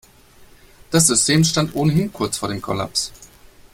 Das System stand ohnehin kurz vor dem Kollaps.